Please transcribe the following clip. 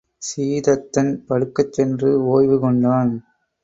சீதத்தன் படுக்கச் சென்று ஒய்வு கொண்டான்.